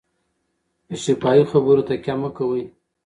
په شفاهي خبرو تکیه مه کوئ.